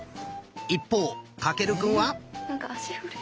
一方翔くんは。え？